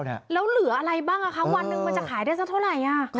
แล้วเหลืออะไรบ้างวันหนึ่งมันจะขายได้สักเท่าไหร่